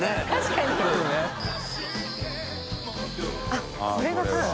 あっこれがタン？